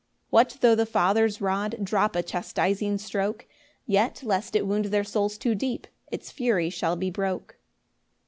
3 What tho' the Father's rod Drop a chastising stroke, Yet, lest it wound their souls too deep, Its fury shall be broke.